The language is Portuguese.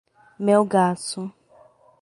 Melgaço